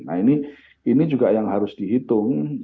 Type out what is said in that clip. nah ini juga yang harus dihitung